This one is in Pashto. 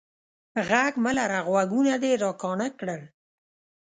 ږغ مه لره، غوږونه دي را کاڼه کړل.